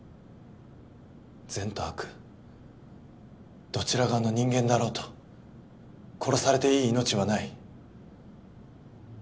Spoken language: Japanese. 善と悪どちら側の人間であろうと殺されていい命はない。